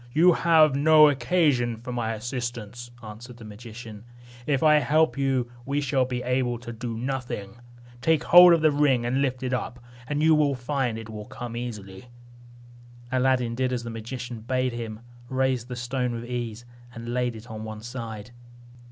"You have no occasion for my assistance," answered the magician; "if I help you, we shall be able to do nothing. Take hold of the ring, and lift it up; you will find it will come easily." Aladdin did as the magician bade him, raised the stone with ease, and laid it on one side.